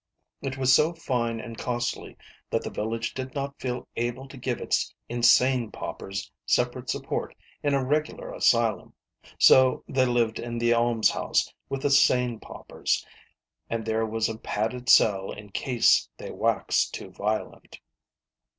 It was so fine and costly that the village did not feel able to give its insane paupers separate support in a regu lar asylum ; so they lived in the almshouse with the sane paupers, and there was a padded cell in case they waxed too violent.